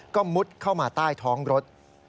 ก็มุดเข้ามาใต้ท้องรถ